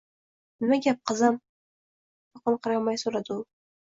Nima gap, qizim? – yoqinqiramay soʻradi u.